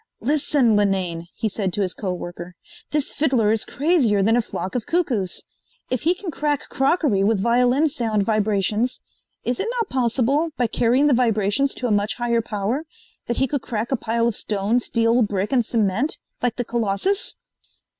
"Listen, Linane," he said to his co worker: "this fiddler is crazier than a flock of cuckoos. If he can crack crockery with violin sound vibrations, is it not possible, by carrying the vibrations to a much higher power, that he could crack a pile of stone, steel, brick and cement, like the Colossus?"